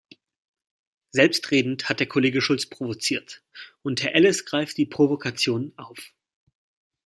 Selbstredend hat der Kollege Schulz provoziert, und Herr Elles greift die Provokation auf.